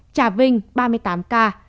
trà vinh ba mươi tám ca